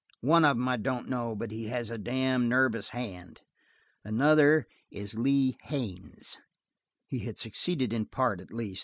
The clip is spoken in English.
One of 'em I don't know, but he has a damned nervous hand. Another is Lee Haines!" He had succeeded in part, at least.